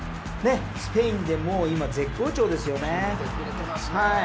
スペインで今、絶好調ですよね。